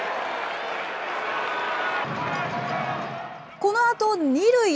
このあと２塁へ。